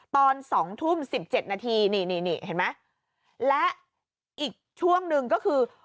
ตอน๒ทุ่ม๑๗นาทีนี่นี่เห็นไหมและอีกช่วงหนึ่งก็คือ